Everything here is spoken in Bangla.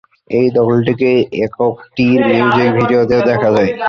এই দলটিকে এককটির মিউজিক ভিডিওতেও দেখা যায়।